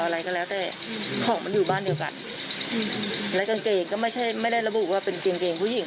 และกางเกงก็ไม่ได้ระบุว่าเป็นกางเกงผู้หญิง